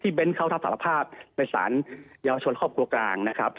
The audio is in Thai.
เน้นเขารับสารภาพในสารเยาวชนครอบครัวกลางนะครับ